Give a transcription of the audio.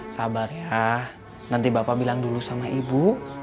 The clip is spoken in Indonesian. sabar ya nanti bapak bilang dulu sama ibu